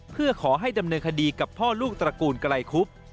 เพื่อขอให้ดำเนินคดีกับพ่อลูกตระกูลไกลคุบ